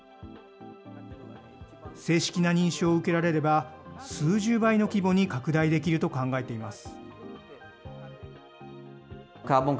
正式な認証を受けられれば、数十倍の規模に拡大できると考えています。